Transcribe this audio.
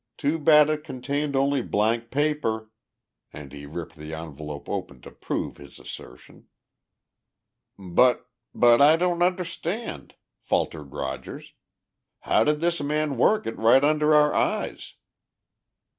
Too bad it contained only blank paper" and he ripped the envelope open to prove his assertion. "But but I don't understand," faltered Rogers. "How did this man work it right under our eyes?"